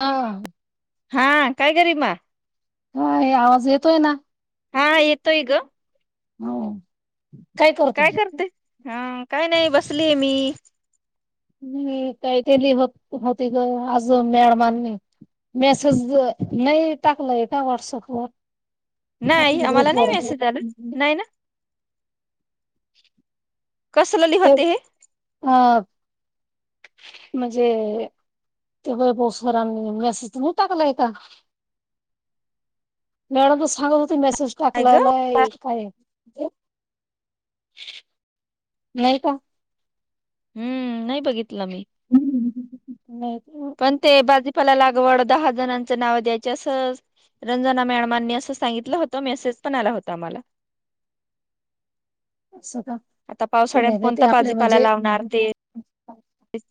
हा. हा काय कररी मा ह आवाज येतोय ना हा येतोय ग हो काय कर काय करते हा काय नाही बसलीय मी नाही काही केली होत होती ग आजून मॅळमांनी मेसेज नाही टाकलाय का व्हॉट्सअपवर नाही आम्हाला ग्रुप नाही वरच मेसेज आला नाही ना [unintelligible] कस ल लिहते हे ह म्हणजे ते व बोसरांनी मेसेज न टाकलाय का मॅडम त सगत हो ते मेसेज काय ग टाकलालाय काय नाही का हम्म नाही बघितलं मी ह पण ते भाजीपाला लागवड दहा जणांचं नाव द्यायचे असं रंजना मॅडमांनी असं सांगितलं होतं मेसेज पण आला होता आम्हाला अस का आता ते पावसाळ्यात नाही का ते कोणता आपले म्हणजे बस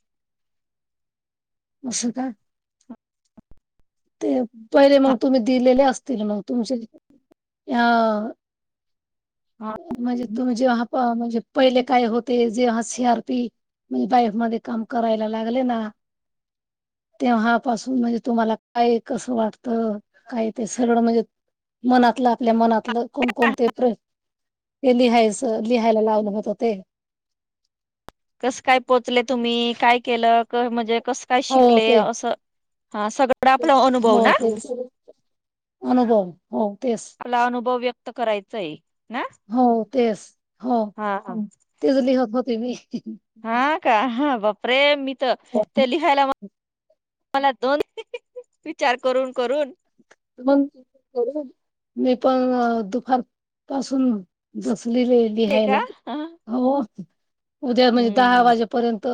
अशका ते पहिले मग तुम्ही दिलेले असतील मग तुमचे ह हा. म्हणजे तुम्ही जेव्हा म्हणजे पहिले काय होते जेव्हा सी आर पी म्हणजे बाईफ मध्ये काम करायला लागले ना तेव्हापासून म्हणजे तुम्हाला काय कसं वाटत काय ते सरळ म्हणजे मनातलं आपल्या मनातलं कोणकोणते प्र ते लिहायचं लिहायला लावून होत होते. कसं काय पोचले तुम्ही काय केलं. म्हणजे क काय श हो ते. अस स हो तेच अनुभव हो तेच आपला अनुभव व्यक्त करायचा आहे ना. हो तेच हो हा ह तेच लिहत होते मी हा का हा बापरे मी तर तेली मला दोन विचार करून करून मग त करू [unintelligible] मी पण दुपार पासून जसली रे ले लिहायला का हा हो उद्या म्हणजे दहा हम्म वाजेपर्यंत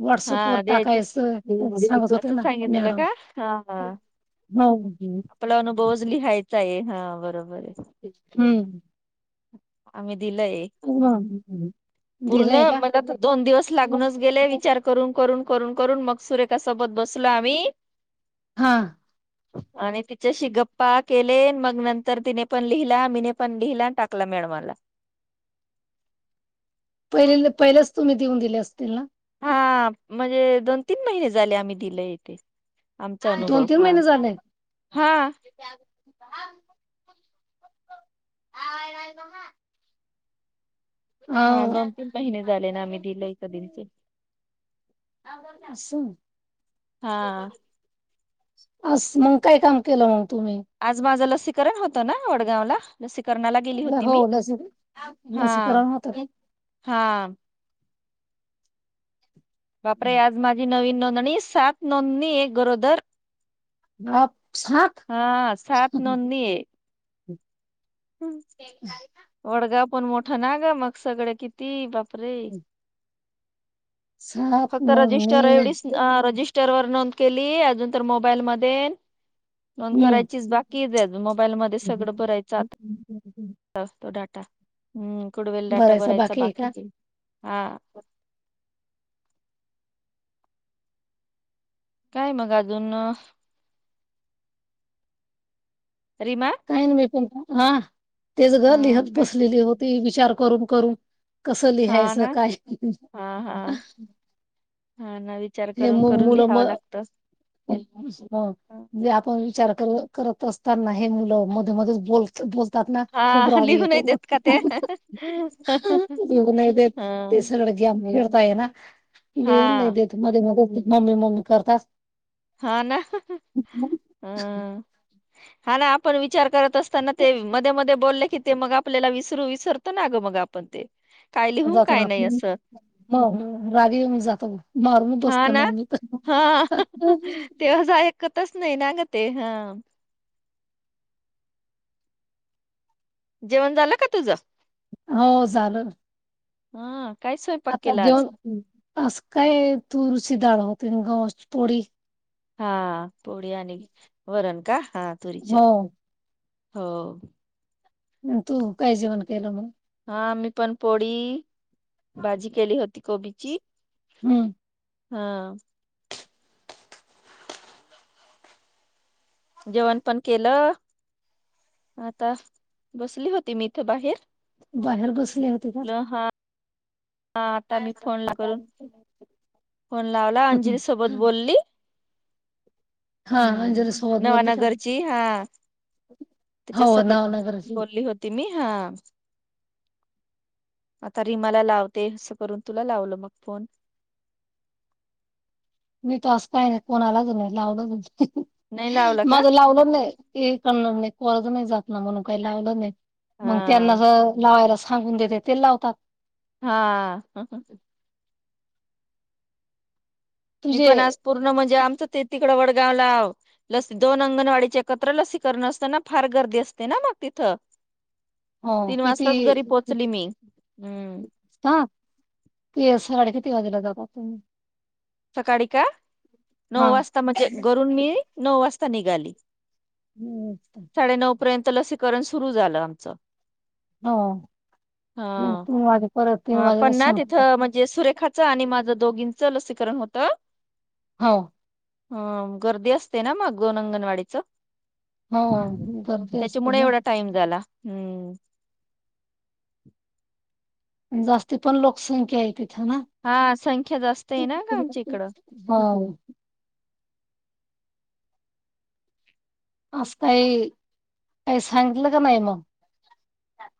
व्हॉट्सअप हा वर द्यायचं टाकायचं सांगत होते असं ना सांगितलं मॅडम का हा हा, हो ह आपला अनुभवच लिहायचा आहे हा बरोबर आहे. हम्म आम्ही दिलंय. मग पूर्णे, दिलंय का? मला तर दोन दिवस लागूनच गेले विचार करून करून करून करून, मग सुरेखासोबत बसलो आम्ही हा. आणि तिच्याशी गप्पा केले, मग नंतर तिने पण लिहिला मीने पण लिहिला टाक कला मॅडमला पहिले, पहिल्याच तुम्ही देऊन दिले असतील ना? हा, म्हणजे दोन-तीन महिने झाले आम्ही दिलंय ते. आमचा दोन अनुभव तीन हा, महिने झाले हा [unintelligible] हो हा दोन तीन महिने झाले ना आम्ही दिलंय [unintelligible] हा [unintelligible] अस्स, मग काय काम केलं मग तुम्ही? आज माझं लसीकरण होतं ना वडगाव ला. लसीकरणाला गेली होती हो मी. लसी हा लसीकरण होत हा. बापरे, आज माझी नवीन नोंदणी, सात नोंदणी एक गरोदर भाप सात हा सात नोंदनी ए. वडगाव पण मोठं ना ग, मग सगळं किती बापरे! सात फक्त रजिस्टर नोंदणी एवढीच, रजिस्टर वर नोंद केली, अजून तर मोबाईल मध्ये नोंद करायचीच बाकी, मोबाईल मध्ये हम्म. सगळं भरायचं आता तो डाटा, हुम्म कुडवेल डाटा भरायचा बाकी आहे का? बाकीचे हा काय मग अजून अ रिमा. काही नाही करत आ, तेच ग हा लिहत काय बसलेली होती विचार करून करून. कसं हा लिहायचं ना काय हा हा हा ना विचार करून करून लिहावं लागतं. म्हणजे आपण विचार कर करत असताना हे मुलं मध्ये मध्येच बोल बोलतात ना हा खूप हा, राग लिहू येतो नाही देत का ते मग, येऊ नाही देत हं, ते सगळं खेळता ये ना, लिहून नाही हा देत, मध्ये मध्ये मम्मी मम्मी करत अस हा ना, ह हा ना आपण विचार करत अस ताना ते, मध्ये मध्ये बोलले की ते मग आपल्याला विसरू विसरतो ना ग मग आपण ते. लिहुन काय नाही असं म, राग येऊन जातं, मारून हा बसत मग मी. ते माझं ऐकतच नाही ना ग ते ह. जेवण झालं का तुझं? हो झालं ना. हा काय स्वय आता जेवन आज काय तुरुची डाळ होती अन गव्हाची पोळी. हा, पोळी आणि वरण का हा तुरीची, हो हो. अन तू काय जेवण केलं मग? हा मी पण पोळी, भाजी केली होती कोबीची. हम्म हा जेवण पण केलं आता बसली होती मी इथे बाहेर बाहेर बसले होती का म्हटलं हा आता मी फोन ला करून फोन लावला अंजली सोबत बोलली हा अंजली हम्म सोबत बोलली का? नवानगरची हा त्याच्या हो सबध नावनगरची बोलली होती ती मी हा, आता रिमाला लाव ते असं करून तुला लावलं मग फोन. मी त असं काही नाही कोणालाच नाही, लावलंच नाही लावला का माझं लावलं नाही. [unintelligible] जात ना म्हणून काही लावलं नाही मग त्यांना हा लावायला सांगून देते ते लावतात. हा मी तुझे पण आज पूर्ण म्हणजे आमचं ते तिकडं वडगावला गाव लसी दोन अंगणवाडीचे एकत्र लसीकरण असताना फार गर्दी असते ना मग तिथं हो तीन किती वाजताात घरी पोहोचली मी हम् ह तेी साडे किती वाजेला जातात तुम्ही सकाळी का नऊ हा वाजता म्हणजे घरून मी नऊ वाजता निघाली हम् साडेनऊ पर्यंत लसीकरण सुरू झालं आमचं हो हा मग तीन वाजे परत तीन ह वाजेला पण ना संपतात तिथं म्हणज ज सुरेखाचं आणि माझं दोघींचं लसीकरण होतं हो ह गर्दी असते ना मागोन अंगणवाडीच हो गर्दी असते त्याच्यामुळे ना एवढा टाइम झाला हम्म जास्ती पण लोकसंख्या आहे तिथं ना हा संख्या जास्त आहे ना ग आमच्या इकडं हा आज काही काही सांगितलं का नाही मग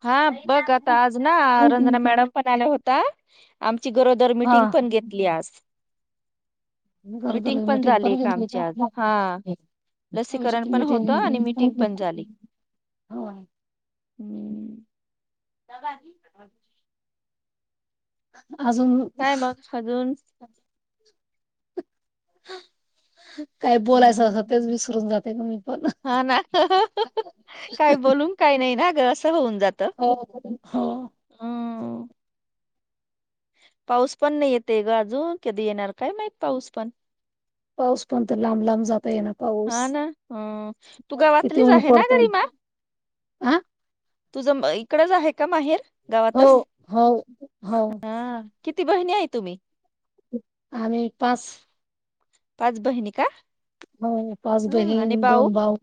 हा बघ आता आज ना रंजना मॅडम पण आला होता आमची गरोदर मिीटिंग पण घेतली आज बर बर मिटिंग मीटिंग झाली पण एक घेतली आमची का आज हा आमची लसीकरण तर पण होतं आणि मीटिंग मिटिंग पण झाली. होय हम्म डबा अजून काय मग अजून काही बोलायचं हम्म. असं तेच विसरून जाते क मी पण हा ना काही नाही ना ग असं होऊन जातं हो हो हम्म. पाऊस पण नाही येते ग अजून कधी येणार काय माही पाऊस पण पाऊस पण तर लांब लांब जाता ये ना हा ना हा तू किती गावातलीच ऊन आहे ना पडतं गरीमा आ तुझं इकडच आहे का माहेर हो गावातच हो हो हा किती बहिणी आहे तुम्ही आम्ही पाच पाच बहिणी का होय पाच हा, बहीण आणि दोन भाऊ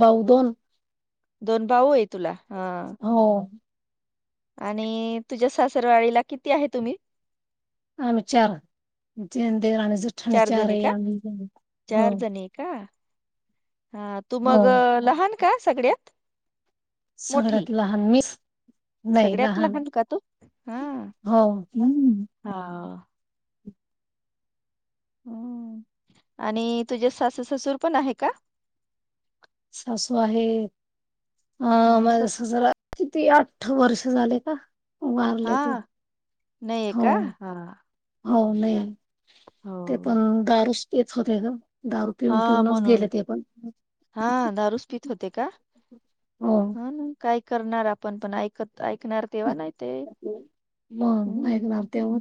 भाऊ दोन दोन भाऊ आहे तुला हा हो आणि तुझ्या सासरवाडीला किती आहे तुम्ही आम्ही चार दीर जेठाणे चार जणी आहे का आम्ही चार हो जणी आहे का हा तू हो मग लहान का सगळ्यात मोठी सगळ्यात लहान मी. नाही सगळ्यात लहान का तू हा हो. हा. ह आणि तुझे सासू ससुर पण आहे का सासू आहे आ हा, मग सस सासरा किती आठ वर्ष झाले का वारले ते नाहीे या हो का हा हो नाही हो ते पण दारूच पेत होते ग. दारू पिऊन हा पिऊनच म्हणून गेले ते पण हां दारूच पीत होते का. हो हा ना काय करणार आपण पण ऐकत ऐकणार तेव्हा नाही ते मग हम्म ऐकणार तेव्हा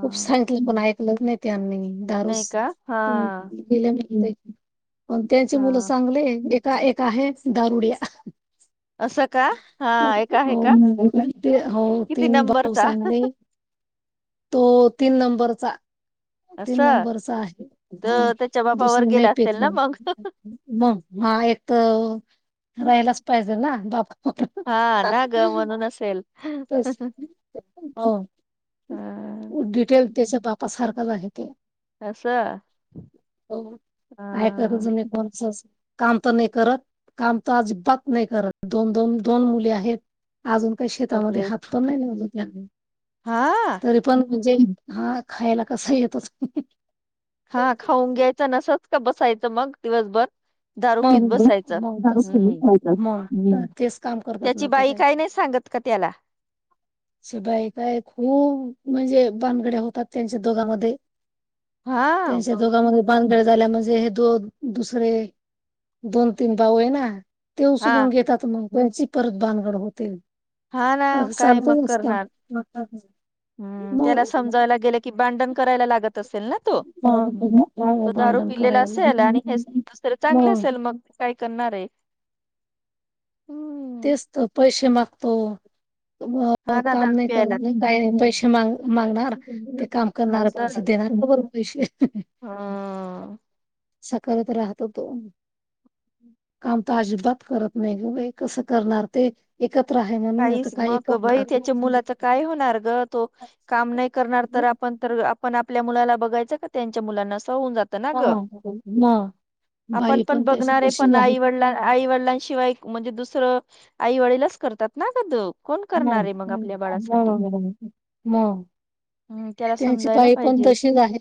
खूप सा ते पण ऐकलच नाही त्यांनी नाही दारूस का हा पिऊन ग पण त्यांचे मुलं हा चांगले आहे एका एक आहे दारुड्या असं का हा एक आहे हो का हो किती तीन भाऊ नंबरचा चांगले तो तीन नंबरचा. तीन असं नंबरचा आहे हो तर त्याच्या बापावर दुसर नाही गेला पित असेल ना मग. मग हा एक तर रहायलाच पाहिजे ना बाप हा ना ग म्हणून असेल. अं, हो डिटेल त्याच्या बापा सारखाच आहे तो. अस. का करी कोणचं काम तर नाही करत काम तर अजिबात नाही करत. दोन दोन दोन मुले आहेत अजून काही शेतामध्ये बापरे हात पण लावला नाही त्यांनी हा तरी पण म्हणजे हा खायला कसा येतोच हा खाऊन घ्यायचं नसत का बसायचं मग दिवसभर दारू मग पीत म बसायचं मग दारू हम्म पिली तेच काम कर त्याची बाई काय नाही सांगत का त्याला. शी बाई बाई खूप म्हणजे बांगड्या होतात त्यांच्या दोघांमध्ये हा त्यांच्यात दोघांमध्ये भांडण झाल्या म्हणजे हे दोन दुसरे दोन तीन भाऊ आहे ना ते हा उचलून घेतात मग त्यांची परत भानगड होते. हा ना असं काय मग. [unintelligible] हम त्याला मग समजावयाला गेलं की भांडण करायला लागत असेल ना तो. [unintelligible] तो दारू भांडण पिलेला करायला असेल आणि हे नाही दुसर चांगले असेल मग काय करणार आहे. हम्म तेच तर पैसे मागतो तर मग हो हा ना काम दारू नाही करत प्यायला नाही का पैसे मागणार ते काम करणार असं पैसे देणार का बर पैशे. हं असा करत राहतो तो काम तर अजिबात करत नाही ग बाई. कसं करणार ते. एकत्र आहे म्हणून आता काहीच काही मग बाई करणार त्याच्या मुलाच काय होणार ग तो काम नाही करणार तर आपण तर आपण आपल्या मुलाला बघायचं का त्यांच्या मुलांना अस हुन जात त ना हा ग मग आपण बाई पण त्याशी बघणार आहे तशीच पण आहेत आईवडलां आई वडिलांशिवाय म्हणजे दुसरं आई वडीलच करतात ना ग दो कोण करणारे मग आपल्या बाळासाठी. मग मग हम्म त्याला त्यांची समजायला बाई पण पाहिजे तशीच आहे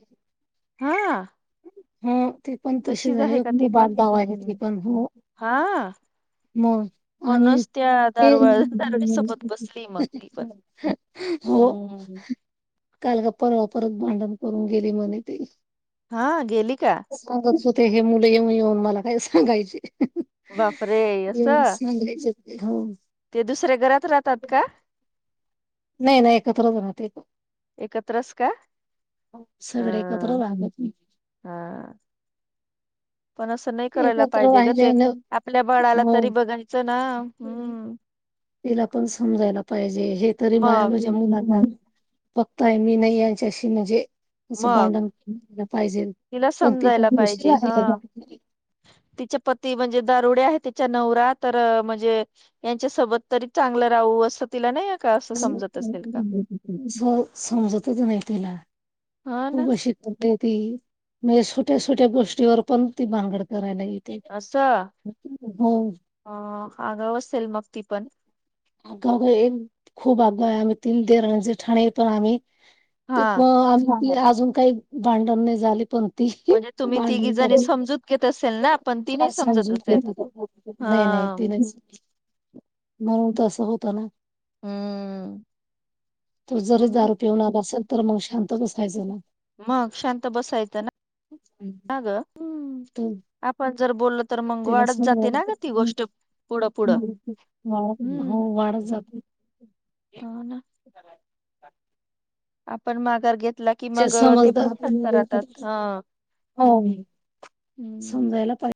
हा. हो ते पण तसेच तशीच आहे का ती मुबाद पण गाव आहे ते पण हो हा. मग आम्ही म्हणूनच त्या ते दारळ दार सोबत कसली मग ती पण हो हम्म. काल गप्पा परत भांडण करून गेली म्हणे त हां गेली का? सांगत होते हे मुले येऊन येऊन मला काय सांगायचे. बापरे असं येगले हो. ते दुसऱ्या घरात राहतात का? नाही नाही एकत्रच राहते. एकत्रच का सगळे एकत्र ह राहतात ते. हा पण अस नाही करायला एकत्र पाहिजे ग राहिले ते आपल्या बाळाला तरी हो बघायचं ना हम्. तिला पण समजायला पाहिजे हे तरी माया मग माझ्या मुलाना फक्त आहे मी नाही यांच्याशी म्हणजे अस मग भांडण पाहिजे तिला पण ती समजायला पण आहे का? तिच्या पती म्हणजे दारुडे आहे तिच्या नवरा तर म्हणजे यांच्या सोबत तरी चांगलं राहू असं तिला नाही का असं समजत असेल का? स समजत त नाहीला. हा खूप ना अशी करते ती म्हणजे छट्या छोट्या गोष्टीवर पण ती भांगड कराय नाही. अस अ आगा असेल मग ती पण अगाव एक खूप आगाव आहे आम्ही तीन तेर म्हणजे ठाणे पण आम्ही ते हा आम अजून काही भांडण नाही झाले पण त म्हणजे तुम्ही तिघी बांडून जणी समजूत घेत असेल ना पण ती ज नाही समजत समजून असेल घेत. हा नाही नाही त नाही म्हणून तं होत ना. हम्म तू जरी म्हणून दारू पिवणार असेल तर मग शांत. ततच फायजला मग शांत बसायचं ना हम्म. [unintelligible] आपण जर बोलल. त्याला स वाढ पुढं पुढं हम्म हो वाढत जाते. [unintelligible] हो ना. अर. आपण माघार घेतला की मग ते पण समजदार शांत राहतात हा. हो हम्म समजायला पाहिजे.